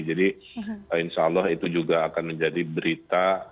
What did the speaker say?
jadi insya allah itu juga akan menjadi berita